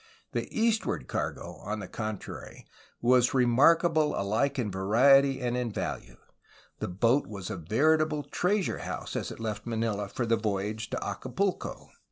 The eastward cargo, on the contrary, was remarkable alike in variety and in value; the boat was a veritable treasure house as it left Manila for the voyage to Acapulco.